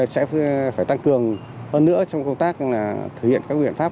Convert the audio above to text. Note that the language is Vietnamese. sẽ phải tăng cường hơn nữa trong công tác thực hiện các biện pháp